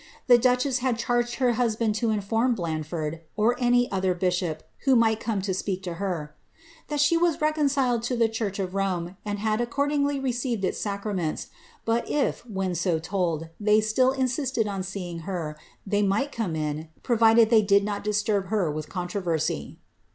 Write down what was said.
The duchess had charged her husband to inform Blanford, or any other bishop who might come to speak to her, ^ that she was reconciled to the church of Rome, and had accordingly received its sacrameuts ; but if, when so told, they still insisted on seeing her, they might come in, provided they did not disturb her with controversy.'